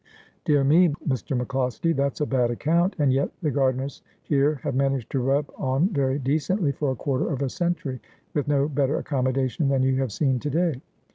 ' Dear me, Mr. MacCloskie, that's a bad account. And yet the gardeners here have managed to rub on very decently for a quarter of a century, with no better accommodation than you have seen to day.'